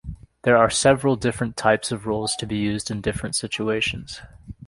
There are several different types of roles to be used in different situations.